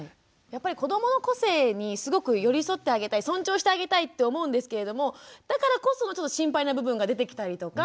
やっぱり子どもの個性にすごく寄り添ってあげたい尊重してあげたいって思うんですけれどもだからこそちょっと心配な部分が出てきたりとか。